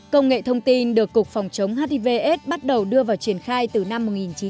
công nghệ thông tin được cục phòng chống hivs bắt đầu đưa vào triển khai từ năm một nghìn chín trăm chín mươi